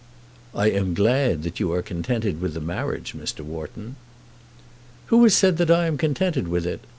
"I am glad that you are contented with the marriage, Mr. Wharton." "Who has said that I am contented with it?